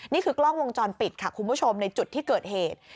นี่คือกล้องวงจรปิดค่ะคุณผู้ชมในจุดที่เกิดเหตุ